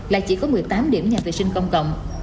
là chỉ có một mươi tám điểm nhà vệ sinh công cộng